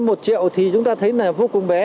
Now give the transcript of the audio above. một triệu thì chúng ta thấy là vô cùng bé